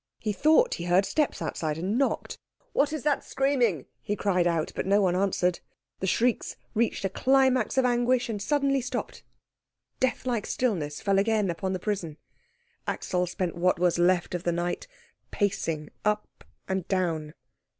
He thought he heard steps outside, and knocked. "What is that screaming?" he cried out. But no one answered. The shrieks reached a climax of anguish, and suddenly stopped. Death like stillness fell again upon the prison. Axel spent what was left of the night pacing up and down.